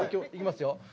いきますよ。